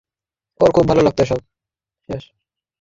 ওর খুবই ভাল লাগতো এসব।